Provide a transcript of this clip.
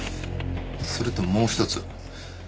それともうひとつ。